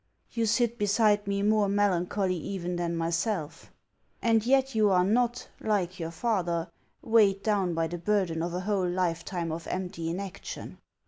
You sit beside me more melan choly even than myself; and yet you are not, like your father, weighed down by the burden of a whole lifetime of empty inaction.